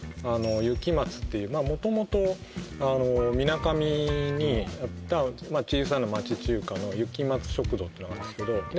雪松っていう元々みなかみにあった小さな町中華の雪松食堂ってのがあるんですけどで